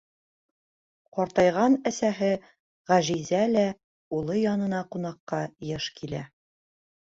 Ҡартайған әсәһе Ғәжизә лә улы янына ҡунаҡҡа йыш килә.